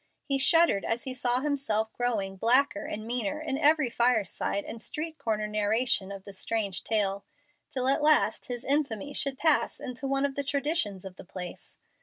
He shuddered as he saw himself growing blacker and meaner in every fireside and street corner narration of the strange tale, till at last his infamy should pass into one of the traditions of the place.